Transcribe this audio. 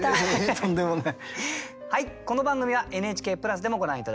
とんでもない。